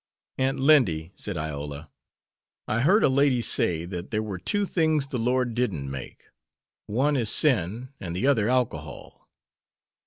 "Aunt Lindy," said Iola, "I heard a lady say that there were two things the Lord didn't make. One is sin, and the other alcohol."